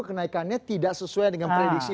kenaikannya tidak sesuai dengan prediksi